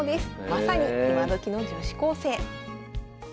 まさに今どきの女子高生。